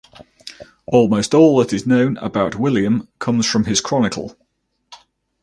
Almost all that is known about William comes from his chronicle.